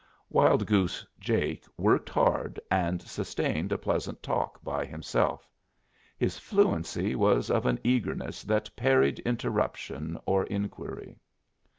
Wild Goose Jake worked hard, and sustained a pleasant talk by himself. His fluency was of an eagerness that parried interruption or inquiry.